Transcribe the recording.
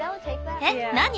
えっ何？